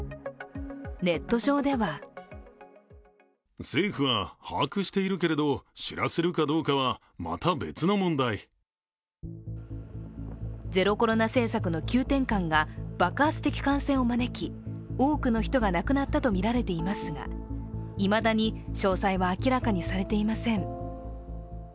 ネット上ではゼロコロナ政策の急転換が爆発的感染を招き多くの人が亡くなったとみられていますがいまだに詳細は明らかにされていません。